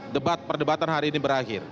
debat perdebatan hari ini berakhir